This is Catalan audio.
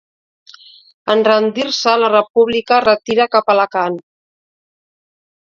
En rendir-se la República es retira cap a Alacant.